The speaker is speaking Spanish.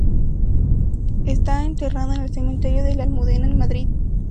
Esta enterrado en el Cementerio de la Almudena en Madrid.